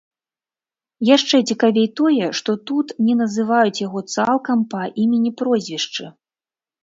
Яшчэ цікавей тое, што тут не называюць яго цалкам па імені-прозвішчы.